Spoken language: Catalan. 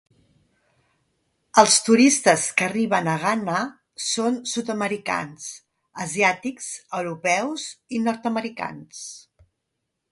Els turistes que arriben a Ghana són sud-americans, asiàtics, europeus i nord-americans.